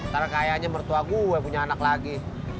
karena kayaknya mertua gue punya anak lagi